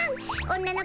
女の子。